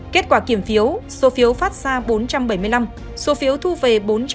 kết quả kiểm phiếu số phiếu phát ra bốn trăm bảy mươi năm số phiếu thu về bốn trăm bảy mươi ba